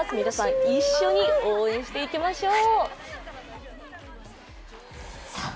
皆さん、一緒に応援していきましょう。